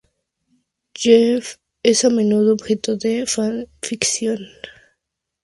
Jeff es a menudo objeto de fanfiction.